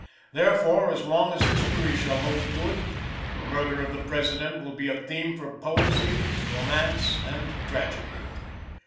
Therefore, as long as history shall hold good, the murder of the President will be a theme for poesy, romance and tragedy.